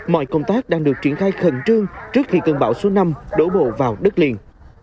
mọi công tác đang được triển khai khẩn trương trước khi cơn bão số năm đổ bộ vào đất liền